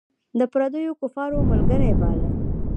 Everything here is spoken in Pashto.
د پردیو کفارو ملګری باله.